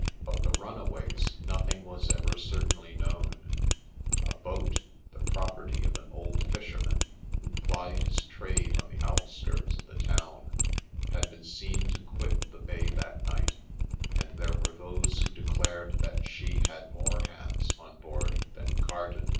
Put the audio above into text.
Of the runaways nothing was ever certainly known. A boat, the property of an old fisherman who plied his trade on the outskirts of the town, had been seen to quit the bay that night ; and there were those who declared that she had more hands on board than Garden